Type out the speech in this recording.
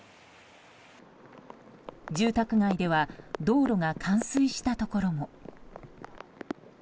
住宅街では道路が冠水したところも。